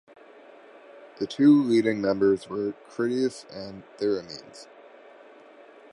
The two leading members were Critias and Theramenes.